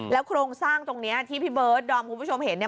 โครงสร้างตรงนี้ที่พี่เบิร์ดดอมคุณผู้ชมเห็นเนี่ย